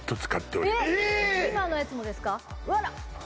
今のやつもですか？